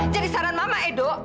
jadi saran mama edo